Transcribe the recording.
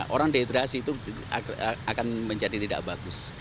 orang dehidrasi itu akan menjadi tidak bagus